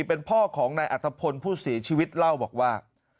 เป็นพ่อของนายอัตภพลผู้เสียชีวิตเล่าบอกว่า